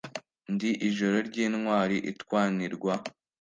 Ndi ijoro ry’intwari itwanirwa.